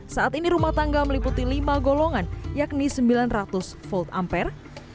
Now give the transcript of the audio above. saat ini rumah tangga meliputi lima golongan yakni sembilan ratus volt ampere